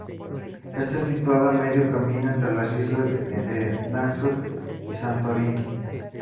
Está situada a medio camino entre las islas de Naxos y Santorini.